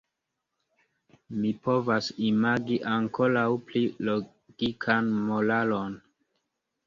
Mi povas imagi ankoraŭ pli logikan moralon.